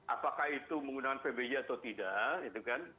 apakah itu menggunakan pbj atau tidak